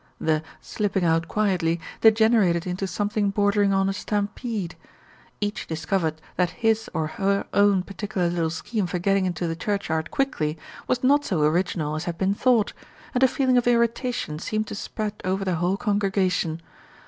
The "slipping out quietly" degenerated into some thing bordering on a stampede. Each discovered that his or her own particular little scheme for getting into the churchyard quickly was not so original as had been thought, and a feeling of irritation seemed to spread over the whole congregation.